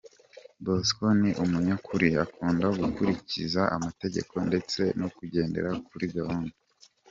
Bosco ni umunyakuri, akunda gukurikiza amategeko ndetse no kugendera kuri gahunda.